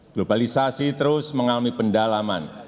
globalisasi terus mengalami pendalaman